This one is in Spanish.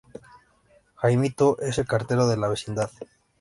Jaimito es el cartero de la vecindad.